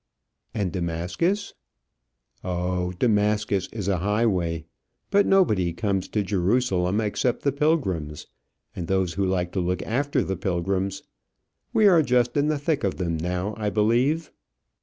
"And Damascus?" "Oh, Damascus is a highway; but nobody comes to Jerusalem except the pilgrims, and those who like to look after the pilgrims. We are just in the thick of them now, I believe."